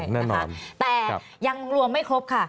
แน่นอนแต่ยังรวมไม่ครบค่ะ